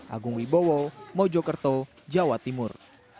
agung wibowo mojokerto jawa timur